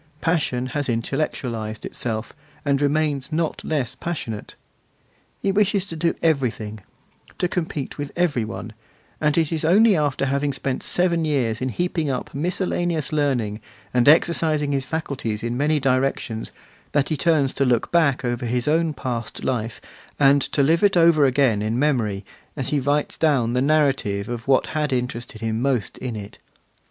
Passion has intellectualised itself, and remains not less passionate. He wishes to do everything, to compete with every one; and it is only after having spent seven years in heaping up miscellaneous learning, and exercising his faculties in many directions, that he turns to look back over his own past life, and to live it over again in memory, as he writes down the narrative of what had interested him most in it.